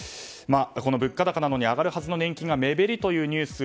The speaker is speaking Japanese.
物価高なのに上がるはずの年金が目減りというニュース